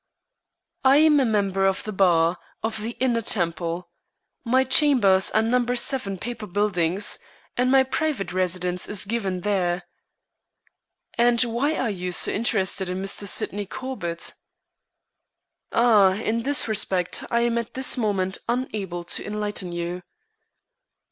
"I am a member of the Bar, of the Inner Temple. My chambers are No. 7 Paper Buildings, and my private residence is given there." "And why are you interested in Mr. Sydney Corbett?" "Ah, in that respect I am at this moment unable to enlighten you."